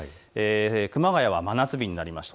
熊谷は真夏日になりました。